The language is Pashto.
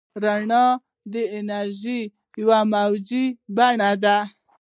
رڼا د انرژۍ یوه موجي بڼه ده.